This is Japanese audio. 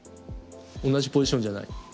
同じポジションじゃない？